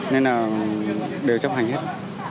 nên là đều chấp hành hết